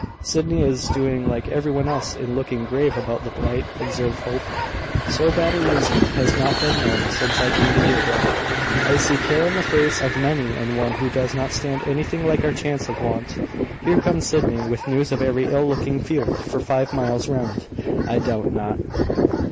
"Sydney is doing like every one else in looking grave about the blight," observed Hope. "So bad a season has not been known since I came to Deerbrook. I see care in the face of many an one who does not stand anything like our chance of want. Here comes Sydney, with news of every ill looking field for five miles round, I doubt not."